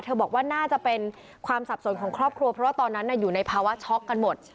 บอกว่าน่าจะเป็นความสับสนของครอบครัวเพราะว่าตอนนั้นอยู่ในภาวะช็อกกันหมด